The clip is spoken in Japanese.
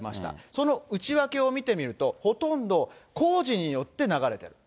その内訳を見てみると、ほとんど工事によって流れたと。